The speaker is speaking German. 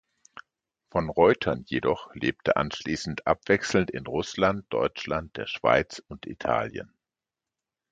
Von Reutern jedoch lebte anschließend abwechselnd in Russland, Deutschland, der Schweiz und Italien.